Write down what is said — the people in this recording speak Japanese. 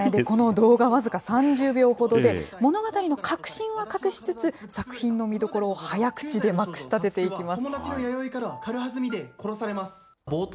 この動画、僅か３０秒ほどで物語の核心は隠しつつ、作品の見どころを早口でまくしたてていきます。